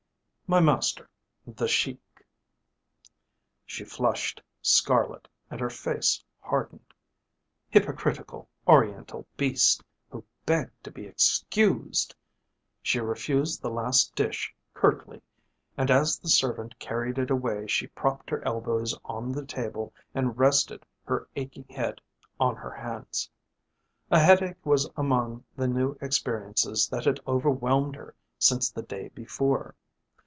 "My master. The Sheik." She flushed scarlet and her face hardened. Hypocritical, Oriental beast who "begged to be excused"! She refused the last dish curtly, and as the servant carried it away she propped her elbows on the table and rested her aching head on her hands. A headache was among the new experiences that had overwhelmed her since the day before.